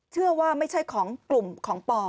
เชื่อว่าไม่ใช่ของกลุ่มของปอ